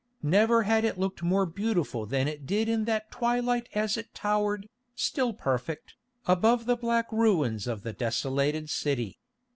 Never had it looked more beautiful than it did in that twilight as it towered, still perfect, above the black ruins of the desolated city.